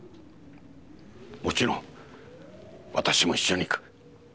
もちろん私も一緒に行く。